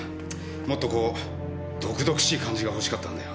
もっとこう毒々しい感じが欲しかったんだよ。